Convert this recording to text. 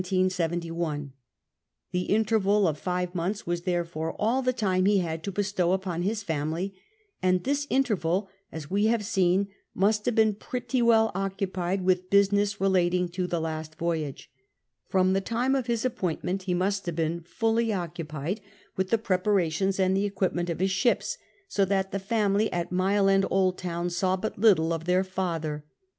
The interval of five months was therefore all the time he had to bestow upon his family; and this interval, as we have seen, must have been pretty well occupied Avith business relating to the last voyage. From the time of his appointment he must have been fully occupied with 88 CAPTAIN COON CHAP. YII the preparations and the equipment of his ships, so that the family at Mile End Old Town saw but little of their father.